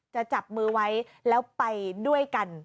จะจับมือไว้แล้วไปด้วยกัน